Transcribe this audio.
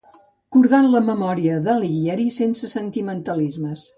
Cordant la memòria de l'Alighieri sense sentimentalismes.